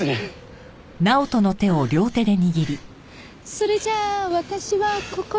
それじゃあ私はここで。